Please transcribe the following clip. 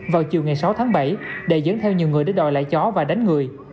vào chiều ngày sáu tháng bảy đại dẫn theo nhiều người để đòi lại chó và đánh người